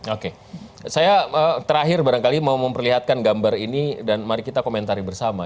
oke saya terakhir barangkali mau memperlihatkan gambar ini dan mari kita komentari bersama